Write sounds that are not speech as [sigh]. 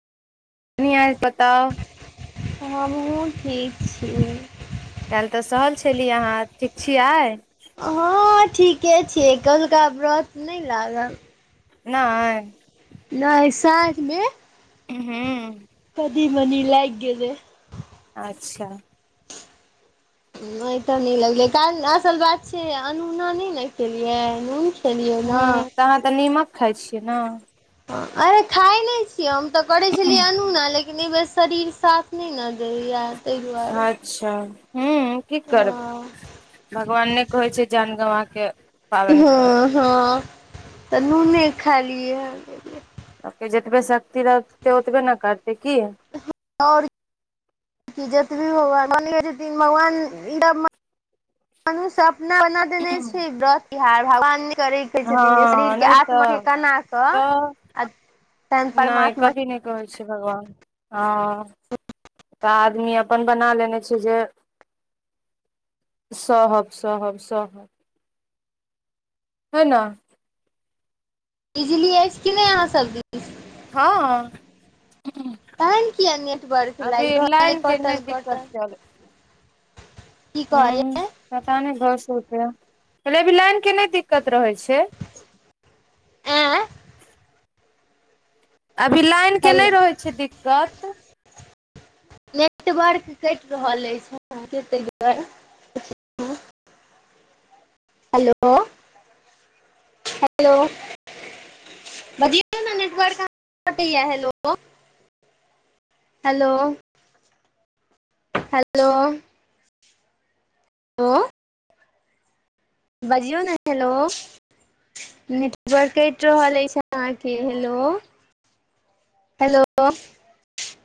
कनि आस [unintelligible] बताउ हमहुँ ठीक छिय। काल्हि तऽ सहल छली अहाँ ठीक छिय आइ। हँ ठीके छियै कोलका व्रत नहि लागल नय नय सांझ में। हू। कदी मनी लागि गेलै। अच्छा। नहि तऽ नहि लगलै कारण असल बात छै अनुना नहि ने केलियैन ह तऽ अहाँ तऽ नीमक खााय छियै ने अरे खाइ नहि छियै हम तऽ करै छलियै अनुना लेकिन लेकिन एहि बेर शरीर साथ नहि न दयय ताहि दुआरे। अच्छा ह्मँ की करबै हँ भगवान नहि कहै छै जान गवके पाबेन कर। हँ हँ तऽ नूने खाय लियै। लोक जतबे शक्ति रहतै ओतबे ने करतै की आओर जतवी भगवान मानले छथिन भगवान ई [unintelligible] मनुष्य अपना बना देने छै व्रत बिहार भगवान थोड़ी कहि छथिन हँ शरीरके नहि आत्माक के तऽ कना कऽ तऽ आ। तहन नहि परमात्मा कभी नहि कहै छै भगवान हँ। आदमी अपन बना लेने छै जे सहब सहब सहब हे ना। इजली अछि कि नहि अहाँ सब दिस। हँ। तहन किया नेटवर्क लागि अभी रहल अइ लाइन के नहि कटल दिक्कत कटल चल की कहलिय। ह पता नहि घसत कहले अभी लाइन के नहि दिक्कत रहै छै। ऐआ। अभी लाइन के नहि हेलो रहै छै दिक्कत। नेटवर्क कटि रहल अछि आहां के ताहि दुआरे। Hello hello. बजियो ना नेटवर्क आबैया हेलो। Hello hello. हेलो बजियौ ने, हेलो नेटवर्क [unintelligible] रहल अछि अहाँके, हेलो हेलो